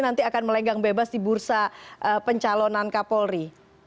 nanti akan melenggang bebas di bursa pencalonan kapolri